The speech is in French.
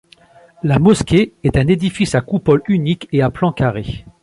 La mosquée est un édifice à coupole unique et à plan carré.